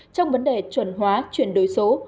trong vấn đề chuẩn hóa chuyển đổi số